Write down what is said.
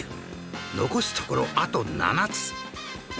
残すところあと７つ